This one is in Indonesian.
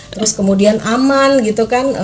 terus kemudian aman gitu kan